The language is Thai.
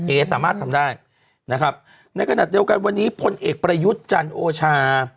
สามารถทำได้นะครับในขณะเดียวกันวันนี้พลเอกประยุทธ์จันทร์โอชา